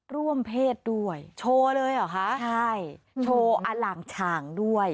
ร่วมเพศด้วยโชว์เลยเหรอคะใช่โชว์อล่างฉางด้วย